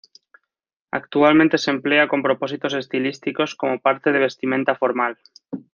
Actualmente se emplea con propósitos estilísticos como parte de vestimenta formal.